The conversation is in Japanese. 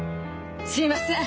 すみません！